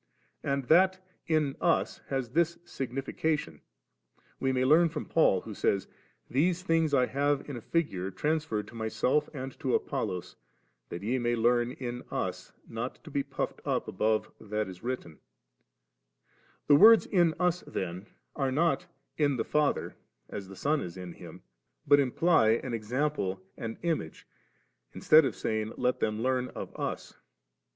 * And that Mn Us' has this signification, we may leara from Paul, who sajrs, 'These things I have in a figure transferred to myself and to Apollos, that ye may learn in us not to be puffed up above that is written ^* The words *in Us* then, are not *in the Father,' as the Son is in Him; but imply an example and image, in stead of sa)ring, * I^t them learn of Us.'